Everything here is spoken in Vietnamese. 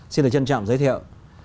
xin được trân trọng giới thiệu